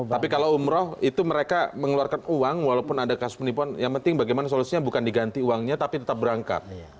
tapi kalau umroh itu mereka mengeluarkan uang walaupun ada kasus penipuan yang penting bagaimana solusinya bukan diganti uangnya tapi tetap berangkat